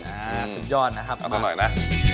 สุดยอดนะครับเอามาหน่อยนะ